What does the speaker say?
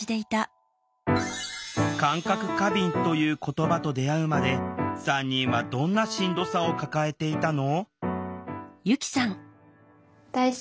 「感覚過敏」という言葉と出会うまで３人はどんなしんどさを抱えていたの？